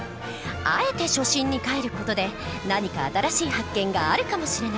あえて初心にかえる事で何か新しい発見があるかもしれない！